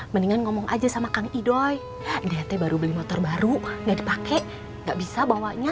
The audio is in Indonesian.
mendingan ngomong aja sama kang idoy deh baru beli motor baru nggak dipakai nggak bisa bawanya